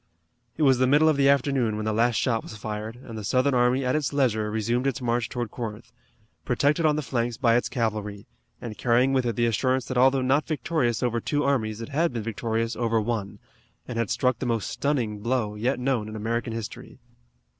It was the middle of the afternoon when the last shot was fired, and the Southern army at its leisure resumed its march toward Corinth, protected on the flanks by its cavalry, and carrying with it the assurance that although not victorious over two armies it had been victorious over one, and had struck the most stunning blow yet known in American history.